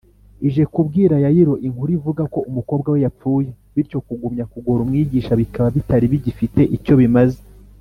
ije kubwira yayiro inkuru ivuga ko umukobwa we yapfuye, bityo kugumya kugora umwigisha bikaba bitari bigifite icyo bimaze